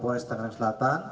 pores tangerang selatan